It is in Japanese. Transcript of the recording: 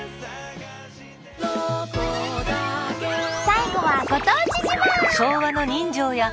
最後はご当地自慢。